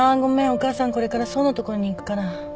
お母さんこれから想の所に行くから。